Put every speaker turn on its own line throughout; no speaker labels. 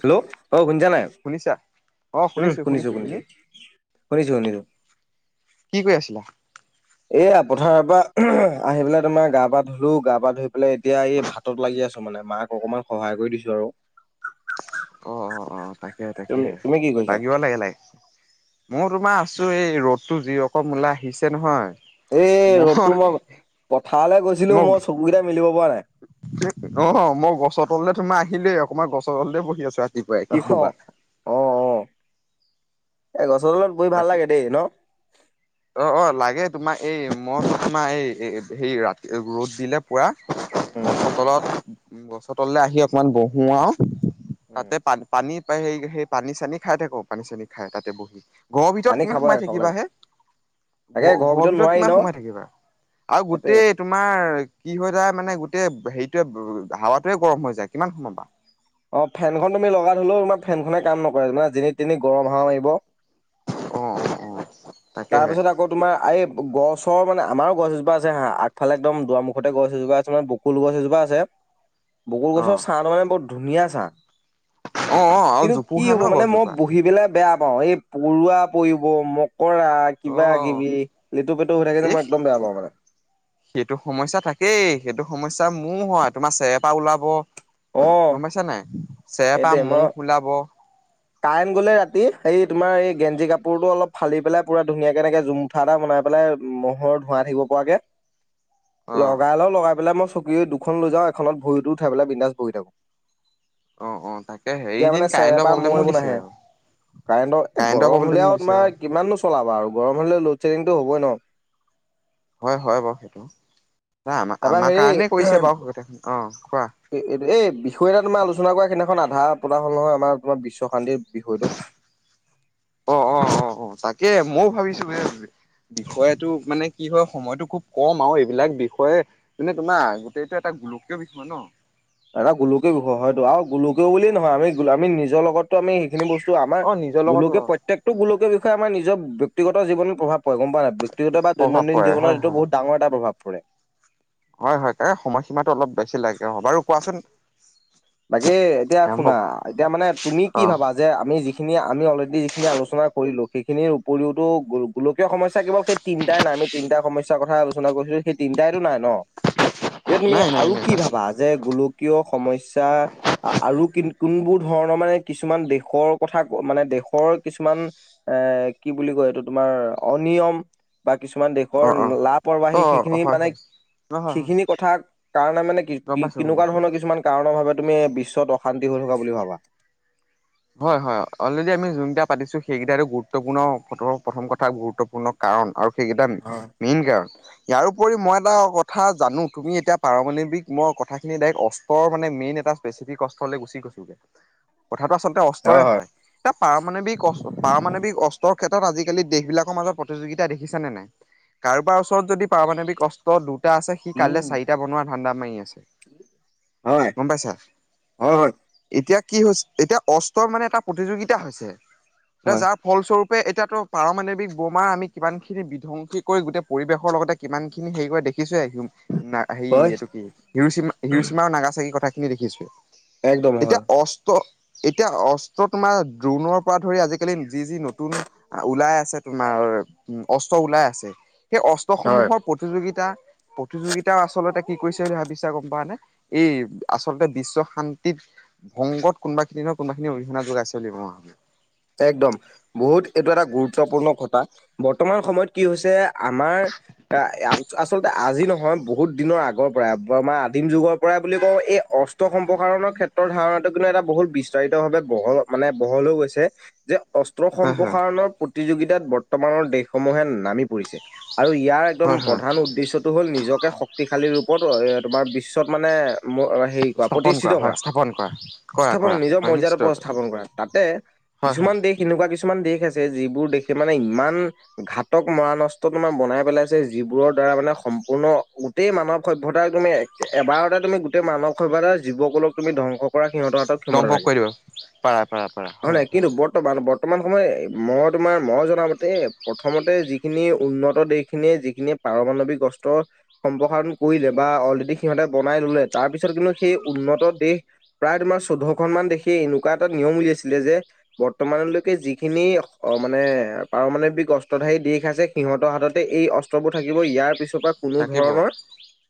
Hello অ' শুনিছা নাই?
শুনিছা?
উম শুনিছো শুনিছো, শুনিছো শুনিছো।
কি কৰি আছিলা?
এয়া পথাৰৰ পৰা আহি পেলাই তোমাৰ গা পা ধুলো গা পা ধুই পেলে এতিয়া এই ভাতত লাগি আছো মানে মাক অকনমান সহায় কৰি দিছো আৰু।
অ' অ' অ' তাকে
তুমি
তাকেহে
তুমি কি কৰিছা
লাগিব লাগে লাগে। মই তোমাৰ আছো এই ৰ'দতো যি ৰকম উলাই আহিছে নহয়।
এই ৰ'দতটো, মই পথাৰলৈ গৈছিলো মই চকুকেইটা মেলিব পৰা নাই।
অ' মই গছৰ তললে তোমাৰ আহিলোই অকমান গছৰ তলতে বহি আছো ৰাতিপুৱাই। কি
অ',
কবা
অ' অ' এ গছৰ তলত বহি ভাল
বাকী
লাগে দেই ন।
অ' অ' লাগে তোমাৰ এই মই তোমাৰ এই হে ৰাতি ৰ'দ দিলে। পুৰা
উম
তলত, গছৰ তললৈ আহি অকণমান বহো আৰু।
উম
তাতে পানী পানী, সেই, সেই পানী চানী খাই থাকো পানী চানী খাই তাতে বহি। ঘৰ ভিতৰত
পানী
কিমান
খাব লাগে
সোমাই
খাব লাগে
থাকিবা হে।
তাকে
ঘৰ
ঘৰৰ
ঘৰ ভিতৰত
নোৱাৰি ন
কিমান সোমায় থাকিবা আৰু
সেইটোৱে
গোটেই তোমাৰ কি হয় যায়, মানে গোটেই হেৰিটোৱে হাৱাতোৱে গৰম হৈ যায় কিমান সোমাবা।
অ' ফেনখন তুমি লগাই থলেও তোমাৰ ফেনখনে কাম নকৰে মানে যেনি তেনি গৰম হাৱা মাৰিব।
অ' অ'। তাকেহে
তাৰপিছত আকৌ তোমাৰ এই গছ মানে আমাৰো গছ এজোপা আছে হা আগফালে একদম দুৱাৰ মুখতে গছ এজোপা আছে মানে ব বকুল গছ এজোপা আছে, বকুল
অ
গছৰ ছাহ
অ
ত মানে বৰ ধুনীয়া ছাহ।
অ আৰু
কিন্তু কি
জোপোহা
হ'ব
ন
মানে মই
গছজোপা
বহি পেলাই বেয়া পাওঁ, এই পৰুৱা পৰিব মকৰা
অ
কিবা কিবি, লেটু পেটু এনেকে যে
এই
মই একদম বেয়া পাওঁ মানে।
সেইটো সমস্যা থাকেই সেইটো সমস্যা মোৰ হয় তোমাৰ চেৰ পৰা ওলাব।
অ
গম পাইছা নাই, চেৰপা মুখ ওলাব।
কাৰেন গলে ৰাতি, সেই তোমাৰ এই গেঞ্জি কাপোৰটো অলপ ফালি পেলাই পুৰা ধুনীয়া কে এনেকে জম কঠা এটা বনাই পেলাই ম'হৰ ধোৱা থাকিব পৰাকে। লগাই লওঁ লগাই পেলাই মই চকী দুখন লৈ যাওঁ এখনত ভৰিতো উঠাই পেলাই বিন্দাছ বহি থাকো।
অ' অ' তাকে। হেৰি
এতিয়া
দিন
মানে
কাৰেণ্টৰ
চেৰেপা ম
প্ৰব্লেমো
এইবোৰ
দিছে
নাহে,
আৰু
কাৰেণ্টৰ এ গৰম
প্ৰব্লেমো
হলেও
দিছে আৰু
তোমাৰ কিমান নু চলাবা আৰু গৰম হলে ল'ডেডিংটো হ'বয় ন।
হয় হয় বাৰু, সেইটো আম
তাৰপা
আমাৰ
হেৰি
কাৰণেই কৰিছে বাৰু, অ' কোৱা।
এই এই বিষয় এটা তুমি আলোচনা কৰা সেইদিনাখন আধা প্ৰদান হল নহয় আমাৰ তোমাৰ বিশ্ব শান্তিৰ বিষয়টো।
অ' অ' অ' তাকে ময়ো ভাবিছো, এই বিষয়টো মানে কি হয় সময়টো খুব কম আৰু এইবিলাক বিষয়ে যেনে তোমাৰ গোটেইটো এটা গোলকীয় বিষয় ন।
এটা গোলকীয় হয়তো আৰু গোলকীয়
অ
বুলিও নহয় আমি আমি নিজৰ লগত আমি সেইখিনি বস্তু আমাৰ,
অ নিজৰ লগতো
গোলকীয় প্ৰত্যেকটো গোলকীয় বিষয়ে আমাৰ নিজৰ ব্যক্তিগত জীৱনত প্ৰভাৱ পৰে গম পায় না আপুনি ব্যক্তগত বা
প্ৰভাৱ
দৈনন্দিন
পৰে হয়
জীৱনটো
হয়
বহুত ডাঙৰ এটা প্ৰভাৱ পৰে।
হয় হয় ক সময়সীমাটো অলপ বেছি লাগে হ বাৰু কোৱাচোন
বাকী এতিয়া শুনা
মোক
এতিয়া মানে তুমি কি
অ
ভাবা? যে আমি যিখিনি আমি অলৰেডি যিখিনি আলোচনা কৰিলোঁ সেইখিনিৰ উপৰিওতো গোলকীয় সমস্যা কেৱল সেই তিনটাই নাই আমি তিনটা সমস্যাৰ কথা আলোচনা কৰিছিলো সেই তিনটাইতো নাই ন। এতিয়া তুমি
নাই নাই
আৰু
নাই
কি ভাবা যে গোলকীয় সমস্যা আৰু কোনবোৰ ধৰণৰ মানে কিছুমান দেশৰ কথা ক মানে দেশৰ কিছুমান এ কি বুলি কয় এইটো তোমাৰ অনিয়ম বা কিছুমান দেশ
অ অ
লাপৰবাহী
অ
সেইখিনি
হয়
মানে
হয় অ হয় হয়
সেইখিনি কথা কাৰণে মানে কি
গম
কি
পাইছো গম
কেনেকুৱা
পাইছো
ধৰণৰ কিছুমান কাৰণৰ ভাৱে তুমি বিশ্বত অশান্তি হৈ থকা বুলি ভাবা?
হয় হয় অলৰেডি আমি যোনকেইটা পাতিছো সেইকেইটা গুৰুত্বপূৰ্ণ প্ৰথম কথা গুৰুত্বপূৰ্ণ কাৰণ আৰু সেইকেইটা
হয়
মেইন কাৰণ। ইয়াৰ উপৰিও পৰি মই এটা কথা জানো তুমি এতিয়া পাৰমাণৱিক মই কথাখিনি ডাইৰেক্ট অষ্টৰ মানে মেইন এটা স্পেচিফিক কষ্টলৈ গুচি গৈছোগে কথাটো আচলতে অস্ত্ৰৰে হয়। এ পাৰমাণৱিক পাৰমাণৱিক অস্ত্ৰৰ ক্ষেত্ৰত আজিকালি দেশ বিলাকৰ মাজত প্ৰতিযোগিতা দেখিছে নে নাই? কাৰোবাৰ ওচৰত যদি পাৰমাণৱিক কষ্ট দুটা আছে সি কাইলৈ চাৰিটা বনোৱা ধান্দা মাৰি আছে।
হয়।
গম পাইছা
হয় হয়
এতিয়া কি হৈছে এতিয়া অ মানে এটা প্ৰতিযোগিতা হৈছে এতিয়া
হয়
যাৰ। ফলস্বৰূপে এতিয়াতো পাৰমাণৱিক বোমা আমি কিমান খিনি বিধ্বংসী কৰি গোটেই পৰিৱেশৰ লগতে কিমান খিনি হেৰি কৰে দেখিছো [unintelligible] ন হেৰি
হয়
এইটো কি হিৰোচিমা হিৰোচিমা নাগা চাগি কথাখিনি দেখিছো
একদম
এতিয়া
হয়
অস্ত এতিয়া অস্ত্ৰ তোমাৰ ড্ৰোনৰ পৰা ধৰি আজিকালি যি যি নতুন ওলাই আছে তোমাৰ অস্ত্ৰ ওলাই আছে সেই
হয়।
অস্ত্ৰসমূহৰ প্ৰতিযোগিতা প্ৰতিযোগিতাও আচলতে কি কৰিছে বুলি ভাবিছা গম পাৱা নে? এই আচলতে বিশ্ব শান্তিত ভংগত কোনোবাখিনি কোনবাখিনি [unintelligible] যাই চলিব ম
একদম বহুত এইটো এটা গুৰুত্বপূৰ্ণ কথা বৰ্তমান সময়ত কি হৈছে আমাৰ এ আচলতে আজি নহয় বহুত দিনৰ আগৰ আমাৰ আদিম যুগৰ পৰাই বুলি কওঁ এই অস্ত সম্প্ৰসাৰণৰ ক্ষেত্ৰৰ ধাৰণাতটো কিন্তু এটা বহুত বি উচ্চাৰিতভাৱে বহল মানে বহল হৈ গৈছে যে অস্ত্ৰ
হয় হয়
সম্প্ৰসাৰণৰ প্ৰতিযোগিতাত বৰ্তমানৰ দেশসমূহে নামি পৰিছে আৰু ইয়াৰ একদম
হয় হয়
প্ৰধান উদ্দেশ্যটো হ'ল নিজকে শক্তিশালী ৰূপত তোমাৰ বিশ্বত মানে হেৰি কৰা
স্থাপন
প্ৰতিষ্ঠিত
হয়
কৰা
স্থাপন কৰা কৰা
স্থাপন
কৰা
নিজৰ
হয়
মৰ্যাদা
নিশ্চয়কৈ
স্থাপন কৰা তাতে
হয় হয়
কিছুমান দেশ এনেকুৱা কিছুমান দেশ আছে যিবোৰ দেশে মানে ইমান ঘাতক মৰা নষ্ট তোমাৰ বনাই পেলাইছে যিবোৰৰ দ্বাৰা মানে সম্পূৰ্ণ গোটেই মানৱ সভ্তা তুমি এবাৰতে তুমি গোটেই মানৱসভ্যতা জ যুৱককলক তুমি ধ্বংস পৰা সিহঁত
দংক কৰি দিব পাৰা প পাৰা
নাই
হয়
কিন্তু
হয়
বৰ্তমান বৰ্তমান সময় মই তোমাৰ মই জনামতে প্ৰথমতে যিখিনি উন্নত দেশ খিনিয়ে যিখিনিয় পাৰমাণৱিক কস্ত্ৰ সম্প্ৰসাৰণ কৰিলে বা অলৰেডি সিহঁতে বনাই ললে তাৰ পিছত কিন্তু সেই উন্নত দেশ প্ৰায় তোমাৰ চৈধ্্যখনন মান দেশে এনেকুৱা এটা নিয়ম উলিয়াইছিলে যে বৰ্তমানলৈকে যিখিনি অ মানে পাৰমাণৱিক অস্ত্ৰধাৰী দেশ আছে সিহঁতৰ হাততে এই অ্ৰবোৰ থাকিব ইয়াৰ পিছৰ পৰা কোনো
থাকিব
ধৰণৰ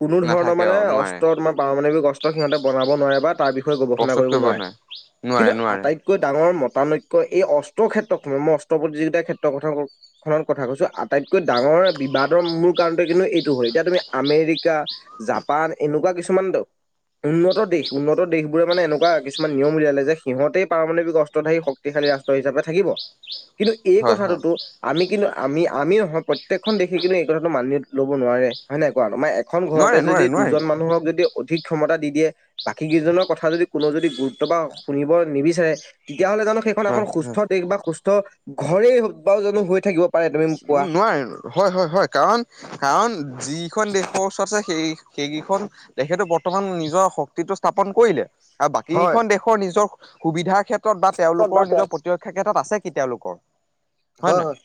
কোনো ধৰণৰ
নাথাকে
মানে
অ নোৱাৰে
অস্ত্ৰ তোমাৰ পাৰমাণৱিক অস্ত্ৰ সিহঁতে বনাব নোৱাৰে বা তাৰ বিষয়ে গৱেষণা কৰিব নোৱাৰে
নোৱাৰে
কিন্তু
নোৱাৰে নোৱাৰে
আটাইতকৈ ডাঙৰ মত প্ৰতানৈক্য এই অস্ত্ৰ ক্ষেত্ৰত ম মই অস্ত্ৰ প্ৰতিযোগিতাৰ ক্ষেত্ৰৰ কথা কওঁ খনত কথা কৈছো আটাইতকৈ ডাঙৰ বিবাদৰ মোৰ কাৰণতে কিন্তু এইটো হয় এতিয়া তুমি আমেৰিকা জাপান এনেকুৱা কিছুমান দ উন্নত দেশ, উন্নত দেশবোৰে মানে এনেকুৱা কিছুমান নিয়ম উলিয়ালে যে সিহঁতেই পাৰমানৱিক [unintelligible] শক্তিশালী ৰাষ্ট্ৰ হিচাপে থাকিব, কিন্তু এই
হয় হয়
কথাটোতো আমি কিন্তু আমি-আমি নহয়, প্ৰত্যেকখন দেশে কিন্তু এই কথাটো মানি লব নোৱাৰে হয় নাই কোৱা মা এখন ঘৰতে
নোৱাৰে
যদি
নোৱাৰে নোৱাৰি
দুজন মানুহক যদি অধিক ক্ষমতা দি দিয়ে, বাকী কেইজনৰ কথা যদি কোনৱে যদি গুৰুত্ব বা শুনিব নিবিচাৰে তেতিয়া হ'লে জানো সেইখন
হয়
এখন সুস্থ
হয়
দেশ বা সুস্থ ঘৰেই বাক জানো হৈ থাকিব পাৰে তুমি মোক
উম,
কোৱা
নোৱীৰে। হয়, হয়, হয়, কাৰণ কাৰণ যিখন দেশৰ ওচৰত আছে সেই সেইকেইখন তেখেতো বৰ্তমান নিজৰ শক্তিটো স্থাপন কৰিলে। আৰু
হয়
বাকীখন দেশৰ নিজৰ সুবিধাৰ ক্ষেত্ৰত বা
হয়
তেওঁলোকৰ নিজৰ প্ৰতি [unintelligible] আছে কি তেওঁলোকৰ?
হয়, হয়।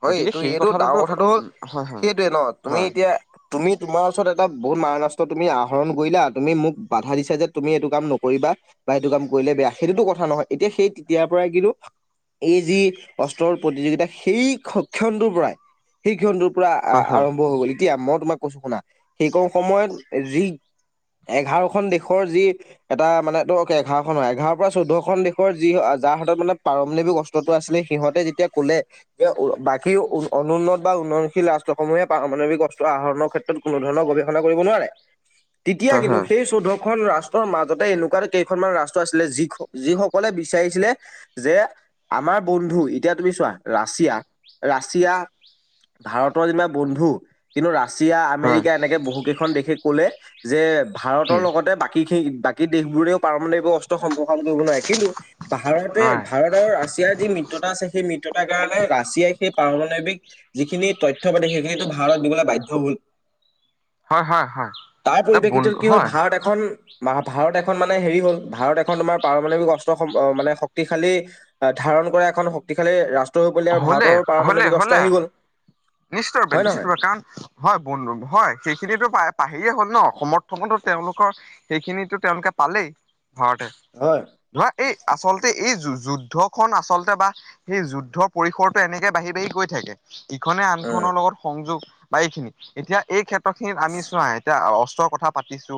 হয়,
গতিকে
এইটো
সেই
এইটো ডাঙৰ
কথাটোতো
কথাটো হ'ল
হয় হয়
সেইটোৱে নহ তুমি
হয়
এতিয়া তুমি তোমাৰ ওচৰত এটা বহুত মাৰনাস্ত্ৰ তুমি আহৰণ কৰিলা, তুমি মোক বাধা দিছা যে তুমি এইটো কাম নকৰিবা। বা সেইটো কাম কৰিলে বেয়া, সেইটোতো কথা নহয় এতিয়া সেই তেতিয়াৰ পৰাই কিন্তু এই যি অস্ত্ৰৰ প্ৰতিযোগিতা সেই ক্ষণটোৰ পৰাই, সেই ক্ষণটোৰ পৰা
হয়
আৰম্ভ হ'ব এতিয়া মই তোমাক কৈছো শুনা, সেইকন সময়ত যি এঘাৰখন দেশৰ যি এটা মানে ত' এঘাৰখন হয়, এঘাৰৰ পৰা চৈধ্যখন দেশৰ যি যাৰ হাতত মান পাৰমাণৱিক আস টো আছিলে, সিহঁতে যেতিয়া কলে বাকী অনুন্নত বা উন্নয়নশীল ৰাষ্ট্ৰসমূহে পাৰমাণৱিক অস্ত্ৰ আহৰণৰ ক্ষেত্ৰত কোনো ধৰণৰ গৱেষণা কৰিব নোৱাৰে, তেতিয়া
হয়
কিন্তু সেই চৌধ্য খন ৰাষ্ট্ৰৰ মাজতে এনেকুৱা কেইখনমান ৰাষ্ট্ৰ আছিলে, যি যিসকলে বিচাৰিছিলে যে আমাৰ বন্ধু, এতিয়া তুমি চোৱা ৰা ৰাছিয়া, ৰাছিয়া ভাৰতৰ যিমান বন্ধু কিন্তু ৰাছিয়া আমেৰিকা এনেকে বহু কেইখন দেশে কলে, যে ভাৰতৰ লগতে বাকি [unintelligible] বাকী দেশবোৰেও পাৰমাণৱিক অস্ত্ৰ সম্প্ৰসাৰণ কৰিব নোৱাৰে, কিন্তু ভাৰতে ভাৰত ৰাছিয়াৰ যি মিত্ৰতা আছে সেই মিত্ৰতা তেতিয়া হলে, ৰাছিয়াই সেই পাৰমাণৱিক যিখিনি তথ্য পাতি সেইখিনিতো ভাৰত দিবলৈ বাধ্য হ
হয় হয় হয় উম হয় হয় হয় হয়
তাৰ
এ
পৰিপ্ৰেক্ষিতত
বন্ধু
কি হ'ল,
হয়
ভাৰত এখন ভাৰত এখন মানে হেৰি হ'ল, ভাৰত এখন তোমাৰ পাৰমাণৱিক অস্ত্ৰ সম্প মানে শক্তিশালী ধাৰণ কৰা এখন শক্তিশালী ৰাষ্ট
হলে, হলে, হলনা নিশ্চয়
হয় নহয়?
কাৰণ হয়, হয়, সেইখিনিতো পা-পাহিৰে হ'ল নহ সমৰ্থনতো তেওঁলোকৰ সেইখিনিতো তেওঁলোকে পালেই ঘৰতে।
হয়।
ধৰা এই আচলতে এই যু-যুদ্ধখন আচলতে বা সেই যুদ্ধ পৰিসৰটো এনেকে বাঢ়ি বাঢ়ি গৈ থাকেষ, ইখনে
উম
আনখনৰ লগত সংযোগ বা এইখিনি, এতিয়া এই ক্ষেত্ৰ খিনিত আমি চোৱা এতিয়া অস্ত্ৰৰ কথা পাতিছো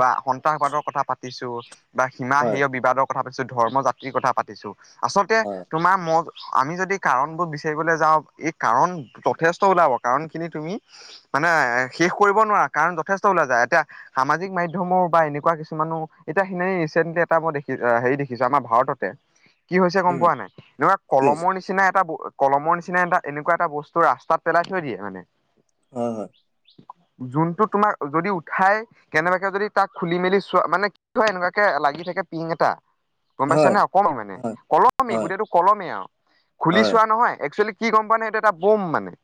বা সন্ত্ৰাসবাদৰ কথা পাতিছো বা সীমা
হয়
হেয় বিবাদৰ কথা পাতিছো, ধৰ্ম জাতিৰ কথা পাতিছো, আচলতে
হয়,
তোমাৰ ম আমি যদি কাৰণবোৰ বিচাৰিবলে যাওঁ, এই কাৰণ যথেষ্ট ওলাব কাৰণ খিনি তুমি মানে শেষ কৰিব নোৱাৰা, কাৰণ যথেষ্ট ওলাই যায় এতিয়া সামাজিক মাধ্যমৰ বা এনেকুৱা কিছুমানো এতিয়াখিনি ৰিচেণ্টলি এটা মই দেখি হেৰি দেখিছো আমাৰ ভাৰততে।
[inaudible]
কি হৈছে গম পোৱা নাই, এনেকুৱা
কি হৈছে?
কলমৰ নিচিনা এটা কলমৰ নিচিনা এটা এনেকুৱা এটা বস্তু ৰাস্তাত পেলাই থৈ দিয়ে মানে।
হয়, হয়।
যোনটো তোমাৰ যদি উঠাই কেনেবাকে যদি তাক খুলি মেলি চোৱা, মানে কি হয় এনেকুৱাকে লাগি থাকে পিং এটা। গম
হয়,
পাইছানে অকমান মানে
হয়,
কলমে
হয়,
গোটেইটো কলমে আৰু। খুলি
হয়,
চোৱা নহয়, একচুৱেলি কি গম পোৱানে, এইটো এটা বোম মানে।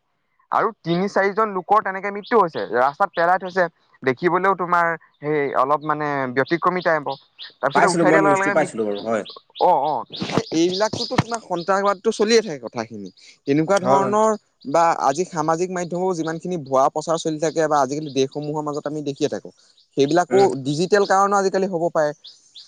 আৰু তিনি-চাৰিজন লোকৰ তেনেকে মৃত্যু হৈছে, ৰাস্তাত পেলাই থৈছে। দেখিবলৈও তোমাৰ সেই অলপ মানে ব্যতিক্ৰমি টাইপৰ। তাৰপিছতে
পাইছিলোঁ
উঠাই
মই
দিয়া
নিউজটো
লগে-লগে মৃ
পাইছিলোঁ বাৰু হয়,
অ', অ', সে এইবিলাকটতো তোমাৰ সন্ত্ৰাসবাদটো চলিয়ে থাকে কথাখিনি। তেনেকুৱা
হয়, হয়,
ধৰণৰ বা আজি সামাজিক মাধ্যমৰো যিমানখিনি ভোৱা প্ৰচাৰ চলি থাকে বা আজিকালি দেশসমূহৰ মাজত আমি দেখিয়ে থাকোঁ। সেইবিলাকো,
উম,
ডিজিটেল কাৰণো আজিকালি হ'ব পাৰে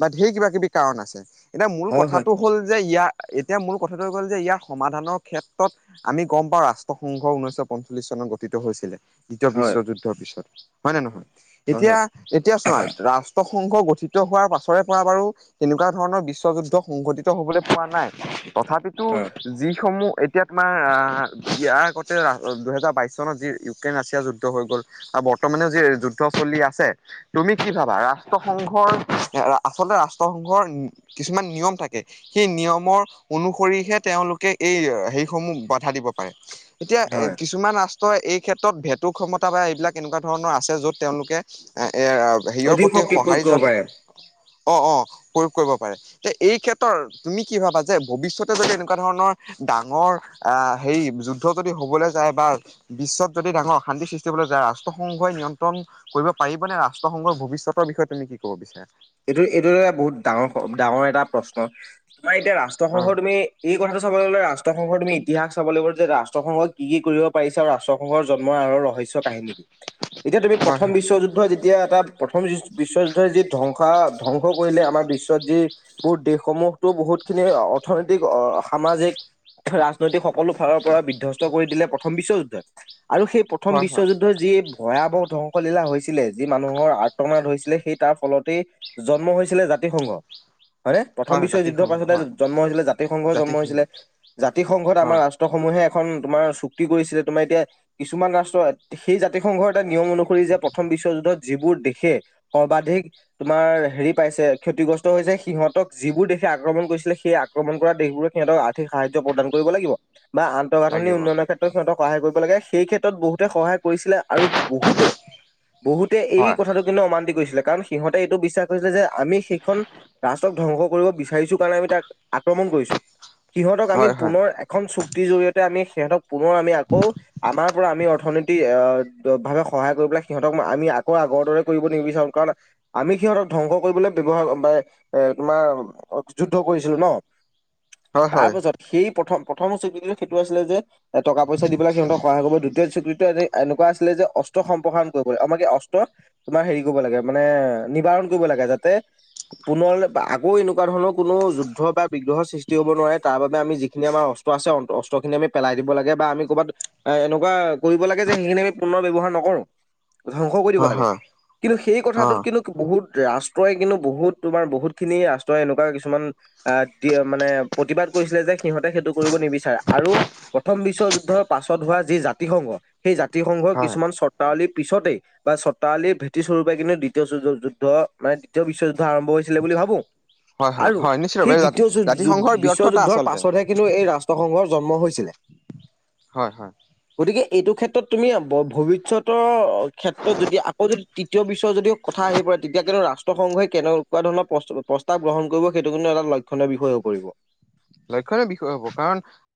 বা ঢেৰ কিবা-কিবি কাৰণ আছে। এতিয়া মূল
হয়, হয়,
কথাটো হ'ল যে, ইয়াৰ এতিয়া মূল কথাটো হৈ গ'ল যে, ইয়াৰ সমাধানৰ ক্ষেত্ৰত আমি গম পাওঁ ৰাষ্ট্ৰসংঘ ঊনৈশ শ পঞ্চল্লিশ চনত গঠিত হৈছিলে। দ্বিতীয় বিশ্ব
হয়,
যুদ্ধৰ পিছত, হয়নে নহয়?
হয়,
এতিয়া,
হয়,
এতিয়া চোৱা ৰা সংঘ গঠিত হোৱাৰ পাছৰে পৰা বাৰু তেনেকুৱা ধৰণৰ বিশ্বযুদ্ধ সংঘটিত হ'বলৈ পোৱা নাই, তথাপিতো
হয় উম,
যিসমূহ এতিয়া তোমাৰ আহ! ইয়াৰ আগতে দুহেজাৰ বাইশ চনত যি ইউক্ৰেইন ৰাছিয়া যুদ্ধ হৈ গ'ল আৰু বৰ্তমানেও যি যুদ্ধ চলি আছে তুমি কি ভাবা, ৰাষ্ট্ৰসংঘৰ আচলতে ৰাষ্ট্ৰসংঘৰ কিছুমান নিয়ম থাকে, সেই নিয়মৰ অনুসৰিহে তেওঁলোকে এই সেইসমূহ বাধা দিব পাৰে। এতিয়া এ
হয়,
কিছুমান আ ত' এই ক্ষেত্ৰত ভেতু ক্ষমতা বা এইবিলাক এনেকুৱা ধৰণৰ আছে, য'ত তেওঁলোকে [unintelligible] হেৰিয়ৰ
অধিক
প্ৰতি
শক্তি প্ৰয়োগ
সঁহাৰি
কৰিব
জনা
পাৰে।
অ', অ', প্ৰয়োগ কৰিব পাৰে, তে এই ক্ষেত্ৰত তুমি কি ভাবা যে ভৱিষ্যতে যদি এনেকুৱা ধৰণৰ ডাঙৰ আহ, হেৰি যুদ্ধ যদি হ'বলৈ যায় বা বিশ্বত যদি ডাঙৰ অশান্তিৰ সৃষ্টি হ'বলৈ যায়, ৰাষ্ট্ৰসংঘই নিয়ন্ত্ৰণ কৰিব পাৰিব নে, ৰাষ্ট্ৰসংঘৰ ভৱিষ্যতৰ বিষয়ে তুমি কি ক'ব বিচাৰা?
এইটো, এইটোতো এটা বহুত ডাঙৰ, ডাঙৰ এটা প্ৰশ্ন! তোমাৰ এতিয়া
অ
ৰাষ্ট্ৰসংঘৰ তুমি এই কথাটো চাবলৈ গ'লে ৰাষ্ট্ৰসংঘৰ তুমি ইতিহাস চাব লাগিব, যে ৰাষ্ট্ৰসংঘই কি-কি কৰিব পাৰিছে আৰু ৰাষ্ট্ৰসংঘৰ জন্মৰ আঁৰৰ ৰহস্যৰ কাহিনী! এতিয়া তুমি
হয়
প্ৰথম
হয়।
বিশ্বযুদ্ধই যেতিয়া, এটা প্ৰথম বিশ্বযুদ্ধই যি ধ্বংস [unintelligible] ধ্বংস কৰিলে, আমাৰ বিশ্বত যি [unintelligible] দেশসমূহতো বহুতখিনি অৰ্থনৈতিক, সামাজিক ৰাজনৈতিক সকলো ফালৰ পৰা বিধ্বস্ত কৰি দিলে প্ৰথম বিশ্বযুদ্ধই, আৰু সেই প্ৰথম
হয় হয়
বিশ্বযুদ্ধই যি ভয়াৱহ ধ্বংসলীলা হৈছিলে, যি মানুহৰ [unintelligible] সেই তাৰ ফলতেই জন্ম হৈছিলে জাতিৰ সংঘ। হয়নে, প্ৰথম
হয়
বিশ্ব যুদ্ধৰ
জাতিসংঘ
পাছতে
হয়
জন্ম হৈছিলে জাতিৰ সংঘই জন্ম
জাতিসংঘ
হৈছিলে। জাতি সংঘত আমাৰ
হয়
ৰাষ্ট্ৰ সমূহে এখন তোমাৰ চুক্তি কৰিছিলে, তোমাৰ এতিয়া কিছুমান ৰাষ্ট্ৰই সেই জাতি সংঘৰ এটা নিয়ম অনুসৰি যে, প্ৰথম বিশ্বযুদ্ধত যিবোৰ দেশে সৰ্বাধিক তোমাৰ হেৰি পাইছে ক্ষতিগ্ৰস্ত হৈছে সিহঁতক যিবোৰ দেশে আক্ৰমণ কৰিছিলে, সেই আক্ৰমণ কৰা দেশবোৰক সিহঁতক গোটেই সাহাৰ্য্য প্ৰদান কৰিব লাগিব, বা আন্তঃগাঁথনি
লাগিব
উন্নয়নৰ ক্ষেত্ৰ সিহঁতক সহায় কৰিব লাগে, সেই ক্ষেত্ৰত বহুতে সহায় কৰিছিলে আৰু বহুতে বহুত এই
হয়
কথাটো কিন্তু অমান্তি কৰিছিলে, কাৰণ সিহঁতে এইটো বিশ্বাস কৰিছিলে যে, আমি সেইখন ৰাষ্টক ধ্বংস কৰিব বিচাৰিছোঁ কাৰণে আমি তাক আক্ৰমণ কৰিছোঁ। সিহঁতক আমি
হয় হয়
পুনৰ এখন চুক্তিৰ জৰিয়তে, আমি সিহঁতক পুনৰ আমি আকৌ, আমাৰ পৰা আমি অৰ্থনৈতিক [unintelligible] ভাৱে সহায় কৰি পেলাই, সিহঁতক আমি আকৌ আগৰ দৰে কৰিব নিবিচাৰোঁ কাৰণ আমি সিহঁতক ধ্বংস কৰিবলৈ ব্যৱহাৰ বা এ তোমাৰ যুদ্ধ কৰিছিলোঁ ন'।
হয় হয়
তাৰপাছত সেই প্ৰথম, প্ৰথমৰ চুক্তিটো [unintelligible] সেইটো আছিলে যে [unintelligible] টকা-পইচা দি পেলাই, সিহঁতক সহায় কৰিব [unintelligible] স্বীকৃত যে এনেকুৱা আছিলে যে, অস্ত্ৰ সম্প্ৰসাৰণ কৰিব [unintelligible] অস্ত্ৰ তোমাৰ হেৰি কৰিব লাগে মানে নিবাৰণ কৰিব লাগে যাতে পুনৰ আকৌ এনেকুৱা ধৰণৰ কোনো যুদ্ধ বা বিগ্ৰহৰ সৃষ্টি হ'ব নোৱাৰে তাৰ বাবে আমি যিখিনি আমাৰ অস্ত্ৰ আছে অস্ত্ৰখিনি আমি পেলাই দিব লাগে বা আমি ক'ৰবাত এনেকুৱা কৰিব লাগে যে সেইখিনি আমি পুনৰ ব্যৱহাৰ নকৰো। ধ্বংস কৰি দিব
হয়
লাগে।
হয়
কিন্তু সেই
অ
কথাটোত কিন্তু বহুত ৰাষ্ট্ৰই কিন্তু বহুত তোমাৰ বহুতখিনি ৰাষ্ট্ৰই এনেকুৱা কিছুমান আহ মানে প্ৰতিবাদ কৰিছিলে যে সিহঁতে সেইটো কৰিব নিবিচাৰে আৰু প্ৰথম বিশ্বযুদ্ধৰ পাছত হোৱা যি জাতিসংঘ। সেই জাতি সংঘৰ
হয়
কিছুমান চৰ্তাৱলীৰ পিছতেই বা চৰ্তাৱলীৰ ভেটি স্বৰূপে কিন্তু দ্বিতীয় যুদ্ধ মানে দ্বিতীয় বিশ্বযুদ্ধ আৰম্ভ হৈছ বুলি ভাবো
হয় হয়
আৰু
হয়
সেই
নিশ্চিতভাৱে
তিতীয়
জাতিসংঘৰ
বিশ্ব
ব্যৰ্থতা
যুদ্ধৰ
আচলতে
পাছতহে কিন্তু এই ৰাষ্ট্ৰসংঘৰ জন্ম হৈছিলে।
হয়, হয়।
গতিকে এইটো ক্ষেত্ৰত তুমি ভৱিষ্যতৰ ক্ষেত্ৰত যদি আকৌ যদি তৃতীয় বিশ্ব যদিও কথা আহি পৰে। তেতিয়া কিনো ৰাষ্ট্ৰসংঘই কেনেকুৱা ধৰণৰ প্ৰ-প্ৰস্তাৱ গ্ৰহণ কৰিব সেইটো কিন্তু এটা লক্ষণীয় বিষয়েও কৰিব।
লক্ষণীয় বিষয় হ'ব। কাৰণ